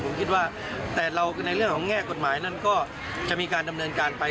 ผมคิดว่าแต่เราคือในเรื่องของแง่กฎหมายนั้นก็จะมีการดำเนินการไป